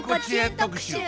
特集。